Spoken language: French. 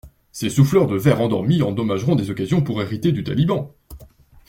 Ces souffleurs de verre endormis endommageront des occasions pour hériter du taliban.